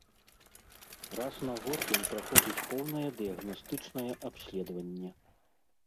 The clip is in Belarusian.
Раз на год ён праходзіць поўнае дыягнастычнае абследаванне.